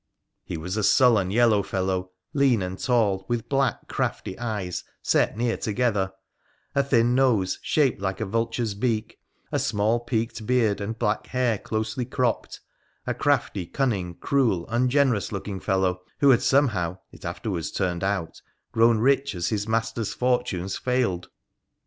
He was a sullen, yellow fellow, lean and tall, with black, crafty eyes set near together ; a thin nose, shaped like a vulture's beak ; a small peaked beard, and black hair closely cropped, a crafty, cunning, cruel, ungenerous looking fellow, who had somehow, it afterwards turned out, grown rich as his master's fortunes failed.